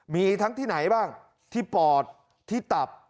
มีทั้งที่ไหนบ้างที่ปอดที่ตับ